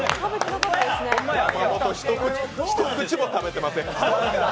山本、一口も食べてません。